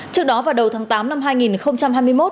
trước đó vào đầu tháng tám năm hai nghìn hai mươi một